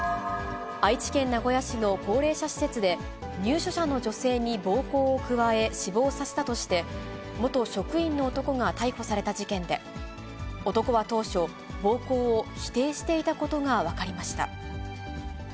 愛知県名古屋市の高齢者施設で、入所者の女性に暴行を加え、死亡させたとして、元職員の男が逮捕された事件で、男は当初、暴行を否定していたことが分かりました。